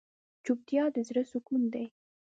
چوپتیا، د زړه سکون دی.